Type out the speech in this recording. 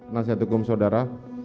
nasihat hukum saudara